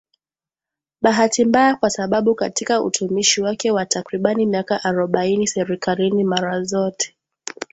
bahati mbaya kwa sababu katika utumishi wake wa takribani miaka arobaini serikalini mara zote